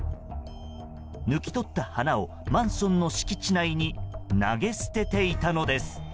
抜き取った花をマンションの敷地内に投げ捨てていたのです。